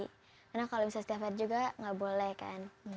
karena kalau misalnya setiap hari juga nggak boleh kan